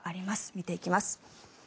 見ていきます。